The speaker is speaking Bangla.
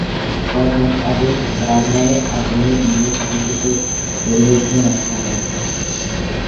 কয়েক মাস আগে গারনারে আগ্রহেই দুজনে কফি খেতে বের হয়েছিলেন একসঙ্গে।